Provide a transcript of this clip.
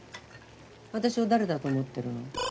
私を誰だと思ってるの？